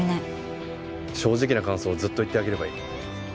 正直な感想をずっと言ってあげればいい。